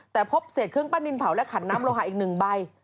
แต่พบเศษเครื่องปั้นดินเผาและขันน้ำโลหะอีก๑ใบ